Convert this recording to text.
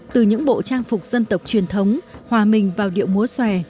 từ những bộ trang phục dân tộc truyền thống hòa mình vào điệu múa xòe